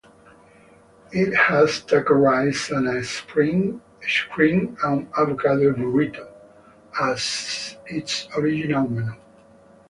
It has "Taco rice" and "Shrimp and avocado burrito" as its original menu.